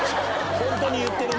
「ホントに言ってるね！」